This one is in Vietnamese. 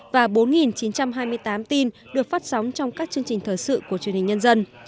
và bốn chín trăm hai mươi tám tin được phát sóng trong các chương trình thời sự của truyền hình nhân dân